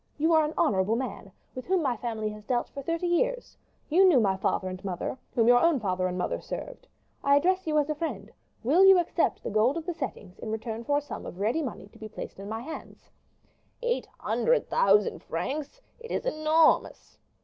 You are an honorable man, with whom my family has dealt for thirty years; you knew my father and mother, whom your own father and mother served. I address you as a friend; will you accept the gold of the settings in return for a sum of ready money to be placed in my hands?" "Eight hundred thousand francs! it is enormous."